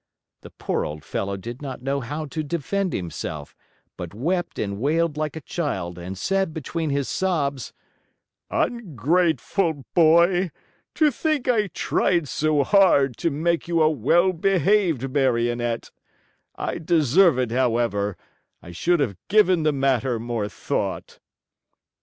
The poor old fellow did not know how to defend himself, but wept and wailed like a child and said between his sobs: "Ungrateful boy! To think I tried so hard to make you a well behaved Marionette! I deserve it, however! I should have given the matter more thought."